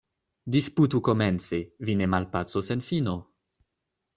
Disputu komence — vi ne malpacos en fino.